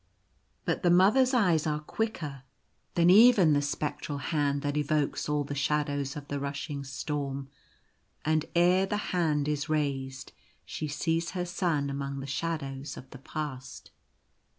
But the Mother's eyes are quicker than even the spec 94 The Mother's Resolve. tral hand that evokes all the shadows of the rushing storm, and ere the hand is raised she sees her Son among the Shadows of the Past.